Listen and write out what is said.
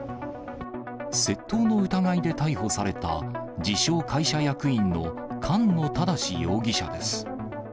窃盗の疑いで逮捕された、自称会社役員の菅野正容疑者です。